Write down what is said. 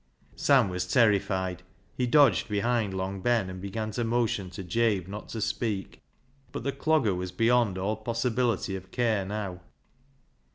Sam was terrified ; he dodged behind Long Ben and began to motion to Jabe not to speak. But the Clogger was beyond all possibility of care now.